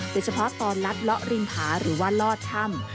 โดยเฉพาะตอนลัดเลาะริมผาหรือว่าลอดถ้ำ